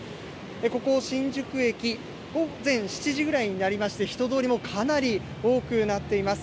ここ新宿駅、午前７時ぐらいになりまして、人通りもかなり多くなっています。